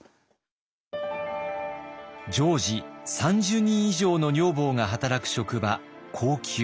常時３０人以上の女房が働く職場後宮。